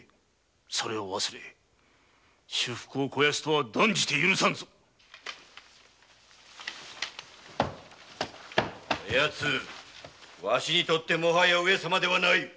それを忘れ私腹を肥やすとは断じて許さんこやつわしにとってはもはや上様ではない。